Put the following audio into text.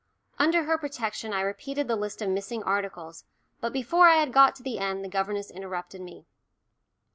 Under her protection I repeated the list of missing articles, but before I had got to the end the governess interrupted me.